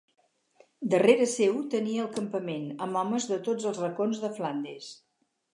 Darrere seu tenia el campament, amb homes de tots els racons de Flandes.